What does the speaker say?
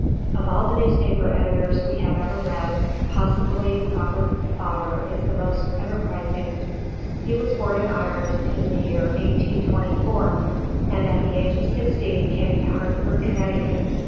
Of all the newspaper editors we have ever read, possibly Robert Bonner is the most enterprising. He was born in Ireland in the year 1824, and at the age of sixteen came to Hartford, Connecticut.